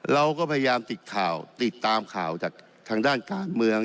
เราก็พยายามติดข่าวติดตามข่าวจากทางด้านการเมือง